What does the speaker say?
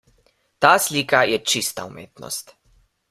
Ta slika je čista umetnost.